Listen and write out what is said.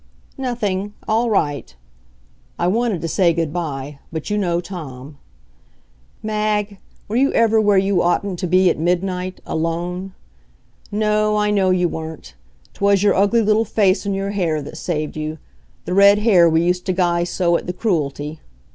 "Nothing all right." I wanted to say good by but you know Tom. Mag, were you ever where you oughtn't to be at midnight alone? No, I know you weren't. 'Twas your ugly little face and your hair that saved you the red hair we used to guy so at the Cruelty.